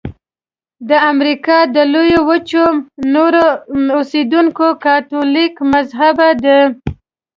د امریکا د لویې وچې نور اوسیدونکي کاتولیک مذهبه دي.